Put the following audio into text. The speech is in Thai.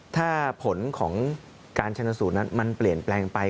ถ้าผลของการชนสูตรนั้นมันเปลี่ยนแปลงไป